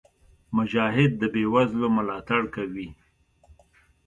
مجاهد د بېوزلو ملاتړ کوي.